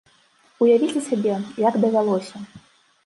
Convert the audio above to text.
Уявіце сабе, як давялося!